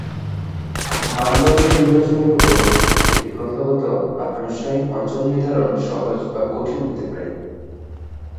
মানদণ্ড নির্বাচনের ওপর একটি প্রথাগত বা আনুষ্ঠানিক অঞ্চল নির্ধারণ সহজ বা কঠিন হতে পারে।